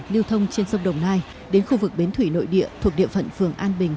lưu thông trên sông đồng nai đến khu vực bến thủy nội địa thuộc địa phận phường an bình